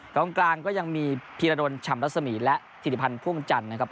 กลางกลางก็ยังมีพีรดลชำรัศมีและธิริพันธ์พ่วงจันทร์นะครับ